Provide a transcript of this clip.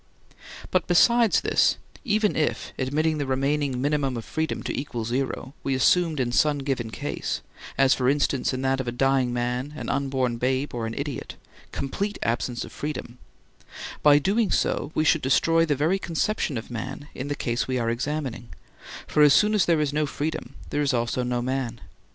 But besides this, even if, admitting the remaining minimum of freedom to equal zero, we assumed in some given case—as for instance in that of a dying man, an unborn babe, or an idiot—complete absence of freedom, by so doing we should destroy the very conception of man in the case we are examining, for as soon as there is no freedom there is also no man.